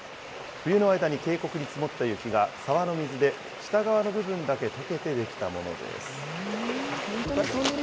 冬の間に渓谷に積もった雪が沢の水で下側の部分だけとけて出来たものです。